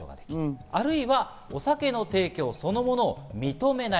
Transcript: あるいはお酒の提供そのものを認めない。